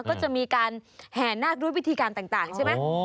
ก็จะมีการแห่นาคด้วยวิธีการต่างใช่ไหม